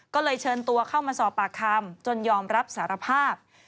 ก็เลยเชิญตัวเข้ามาสอบปากคำจนยอมรับสารภาพ